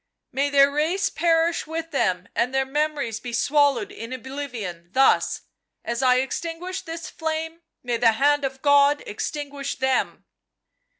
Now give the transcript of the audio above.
" May their race perish with them and their memo ries be swallowed in oblivion — thus ! As I extinguish this flame may the hand of God extinguish them